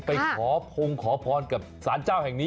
ไปขอพงขอพรกับสารเจ้าแห่งนี้